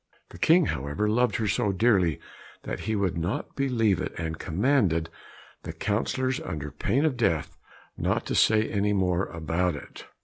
The King, however, loved her so dearly that he would not believe it, and commanded the councillors under pain of death not to say any more about it.